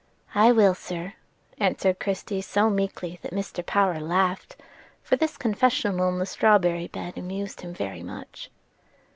"I will, sir," answered Christie so meekly that Mr. Power laughed; for this confessional in the strawberry bed amused him very much.